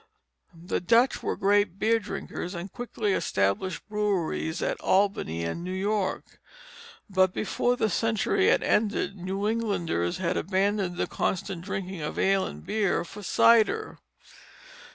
The Dutch were great beer drinkers and quickly established breweries at Albany and New York. But before the century had ended New Englanders had abandoned the constant drinking of ale and beer for cider.